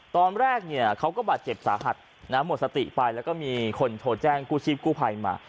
ตอนแรกเนี่ยเขาก็บาดเจ็บสาหัสหมดสติไปแล้วก็มีคนโทรแจ้งกู้ชีพกู้ภัยมา